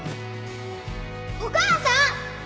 お母さん！？